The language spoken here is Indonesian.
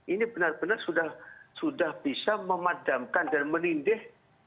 ini benar benar sudah bisa memadamkan dan menindih